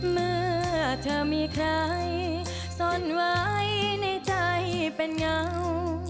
เมื่อเธอมีใครซ่อนไว้ในใจเป็นเงา